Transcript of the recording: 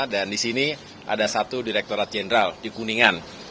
dan di sini ada satu direkturat jeneral di kuningan